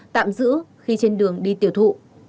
tạm giữ khi trên đường đi tiểu thụ